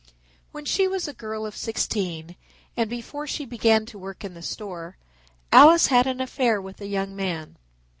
When she was a girl of sixteen and before she began to work in the store, Alice had an affair with a young man.